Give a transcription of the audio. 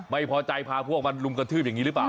ไม่พอใจพาพวกมาลุมกระทืบอย่างนี้หรือเปล่า